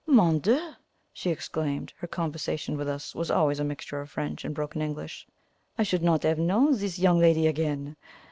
"Mon dieu!" she exclaimed her conversation with us was always a mixture of French and broken English "I should not 'ave know zis young lady again!